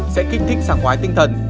sẽ kinh thích sảng quái tinh thần